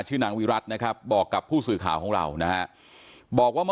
ชื่อนางวิรัตนะครับบอกกับผู้สื่อข่าวของเรานะบอกว่า